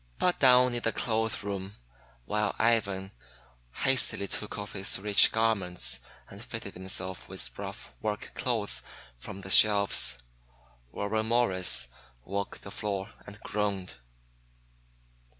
But down in the clothes room while Ivan hastily took off his rich garments and fitted himself with rough work clothes from the shelves, Warren Morris walked the floor and groaned.